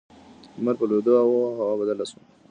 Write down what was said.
لمر په لوېدو و او هوا بدله شوه.